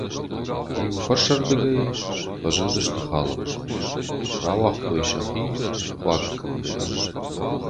Иу фарсӕрдыгӕй фӕзындысты халӕттӕ, рауагътой сӕхи, хъуахъ кӕнгӕйӕ.